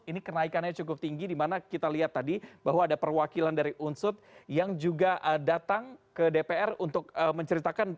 ini kenaikannya cukup tinggi dimana kita lihat tadi bahwa ada perwakilan dari unsur yang juga datang ke dpr untuk menceritakan